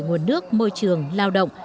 nguồn nước môi trường lao động